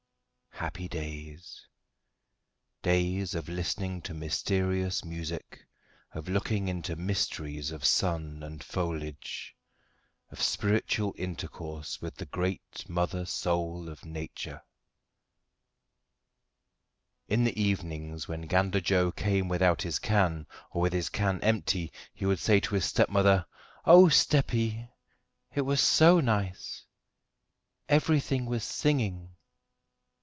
Happy days! days of listening to mysterious music, of looking into mysteries of sun and foliage, of spiritual intercourse with the great mother soul of nature. In the evenings, when Gander Joe came without his can, or with his can empty, he would say to his stepmother: "Oh, steppy! it was so nice; everything was singing."